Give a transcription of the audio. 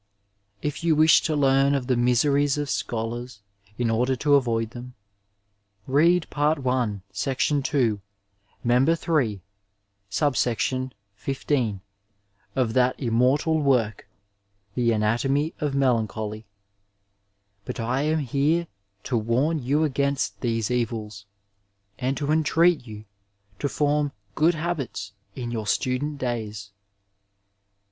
'' If you wish to learn of the miseries of scholars in order to avoid them, read Part I, Section 2, Member 3, Subsection XV, of that immortal work, the Anatomy of Melancholy ; but I am here to warn you against these evils, and to entreat you to form good habits in your student days.